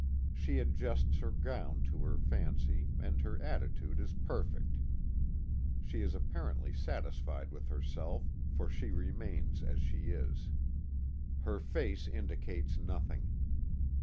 She adjusts her gown to her fancy, and her attitude is perfect. She is apparently satisfied with herself, for she remains as she is. Her face indicates nothing.